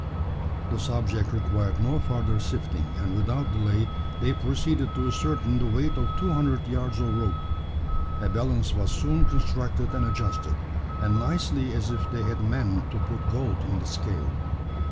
The subject required no further sifting; and without delay they proceeded to ascertain the weight of two hundred yards of rope. A balance was soon constructed and adjusted, as nicely as if they had meant to put gold in the scale.